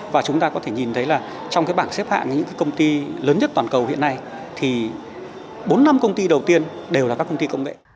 và chúng ta có thể nhìn thấy là trong cái bảng xếp hạng những công ty lớn nhất toàn cầu hiện nay thì bốn năm công ty đầu tiên đều là các công ty công nghệ